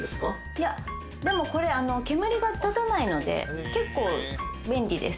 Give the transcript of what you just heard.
いや、これ煙が立たないので結構便利です。